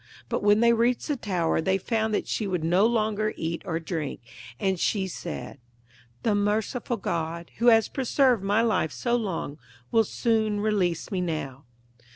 But when they reached the tower they found that she would no longer eat or drink, and she said, 'The merciful God, who has preserved my life so long, will soon release me now.'